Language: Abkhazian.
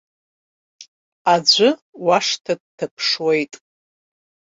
Аӡәы уашҭа дҭаԥшуеит.